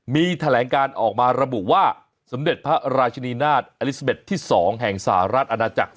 มีแถลงการออกมาระบุว่าสมเด็จพระราชินีนาฏอลิซาเบ็ดที่๒แห่งสหรัฐอาณาจักร